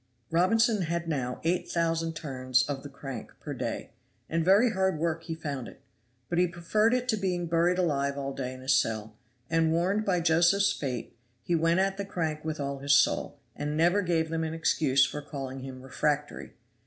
Robinson had now eight thousand turns of the crank per day, and very hard work he found it; but he preferred it to being buried alive all day in his cell; and warned by Josephs' fate, he went at the crank with all his soul, and never gave them an excuse for calling him "refractory."